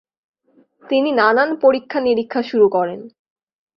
তিনি নানান পরীক্ষা-নিরিক্ষা শুরু করেন।